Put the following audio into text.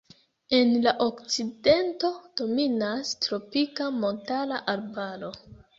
En la okcidento dominas tropika montara arbaro.